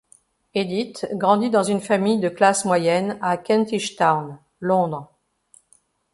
Edith grandit dans une famille de classe moyenne à Kentish Town, Londres.